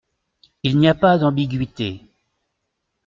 Il n’y a pas d’ambiguïtés.